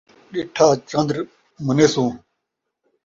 ݙٹھا چن٘در منیسوں